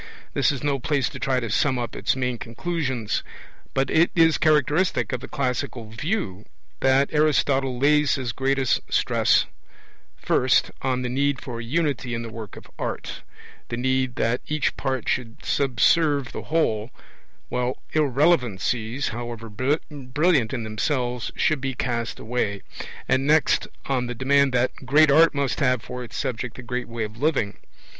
This is no place to try to sum up its main conclusions. But it is characteristic of the classical view that Aristotle lays his greatest stress, first, on the need for Unity in the work of art, the need that each part should subserve the whole, while irrelevancies, however brilliant in themselves, should be cast away; and next, on the demand that great art must have for its subject the great way of living.